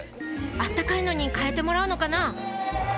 温かいのにかえてもらうのかな？